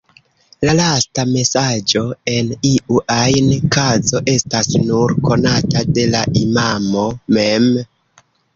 La lasta mesaĝo en iu ajn kazo estas nur konata de la imamo mem.